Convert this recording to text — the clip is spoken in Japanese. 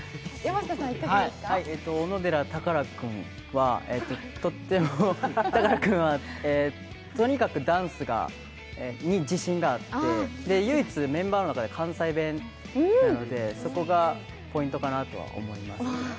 小野寺宝君は、とにかくダンスに自信があって、唯一メンバーの中で関西弁なので、そこがポイントかなとは思います。